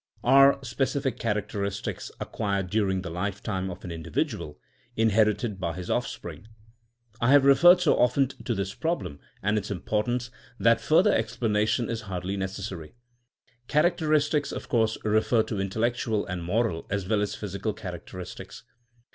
Are specific characteristics, acquired during the lifetime of a/n individual, inherited by his offspring? I have referred so often to this problem and its importance that further ex planation is hardly necessary. ^* Characteris tics'' of course refer to intellectual and moral as well as physical characteristics.